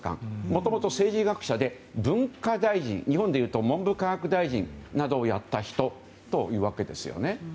もともと、政治学者で文化大臣日本でいうと文部科学大臣などをやった人というわけです。